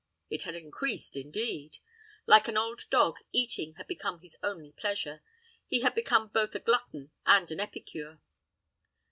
It had increased, indeed. Like an old dog, eating had become his only pleasure. He had become both a glutton and an epicure.